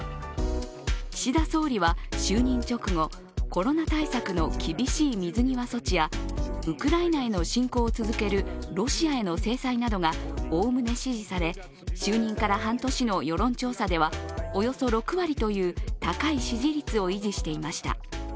岸田総理は就任直後コロナ対策の厳しい水際措置やウクライナへの侵攻を続けるロシアへの制裁などがおおむね支持され就任から半年の世論調査ではおよそ６割という高い支持率を維持していました。